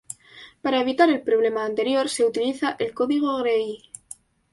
Para evitar el problema anterior, se utiliza el código Gray.